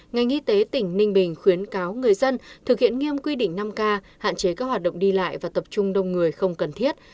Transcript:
ngành y tế tỉnh ninh bình khuyến cáo người dân thực hiện nghiêm quy định năm k hạn chế các hoạt động đi lại và tập trung đông người không cần thiết